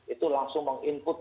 itu langsung meng input